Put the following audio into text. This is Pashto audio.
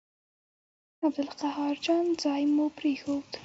عبدالقاهر جان ځای مو پرېښود.